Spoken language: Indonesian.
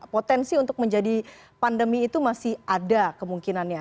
potensi untuk menjadi pandemi itu masih ada kemungkinannya